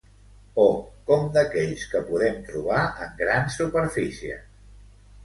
O com d'aquells que podem trobar en grans superfícies?